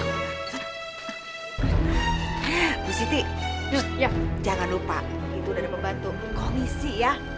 bu siti jangan lupa itu ada pembantu komisi ya